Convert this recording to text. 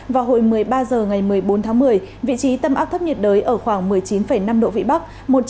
vào hồi một mươi ba h ngày một mươi bốn tháng một mươi vị trí tâm áp thấp nhiệt đới ở khoảng một mươi chín năm độ vĩ bắc